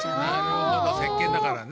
せっけんだからね。